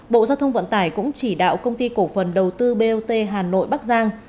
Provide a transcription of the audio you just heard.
bộ giao thông vận tải cũng chỉ đạo công ty cổ phần đầu tư bot hà nội bắc giang